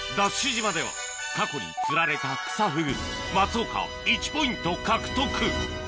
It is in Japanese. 島では過去に釣られたクサフグ松岡１ポイント獲得